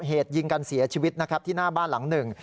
เหตุยิงกันเสียชีวิตนะครับที่หน้าบ้านหลังหนึ่ง